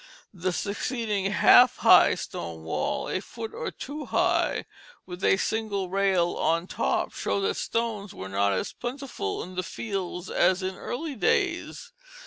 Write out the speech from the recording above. The succeeding "half high" stone wall a foot or two high, with a single rail on top showed that stones were not as plentiful in the fields as in early days.